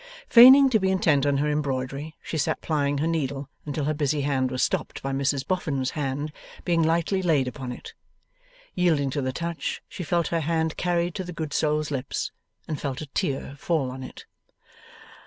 Feigning to be intent on her embroidery, she sat plying her needle until her busy hand was stopped by Mrs Boffin's hand being lightly laid upon it. Yielding to the touch, she felt her hand carried to the good soul's lips, and felt a tear fall on it.